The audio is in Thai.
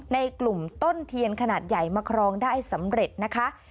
ในกลุ่มต้นเทียนขนาดใหญ่มาครองได้สำเร็จนะคะ